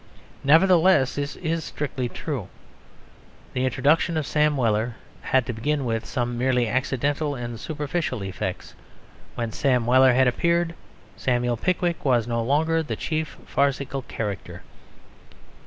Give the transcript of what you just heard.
Nevertheless, this is strictly true. The introduction of Sam Weller had, to begin with, some merely accidental and superficial effects. When Samuel Weller had appeared, Samuel Pickwick was no longer the chief farcical character.